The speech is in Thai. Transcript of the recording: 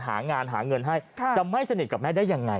หางานหาเงินให้จะไม่สนิทกับแม่ได้ยังไง